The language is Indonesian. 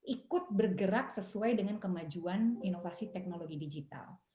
ikut bergerak sesuai dengan kemajuan inovasi teknologi digital